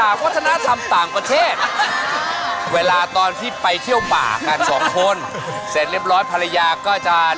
คุณคิดว่าครึ่งกิโลมากสุด